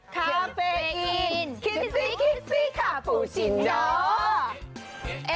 คาเฟอินคิมซี่คิมซี่คาปูชิโน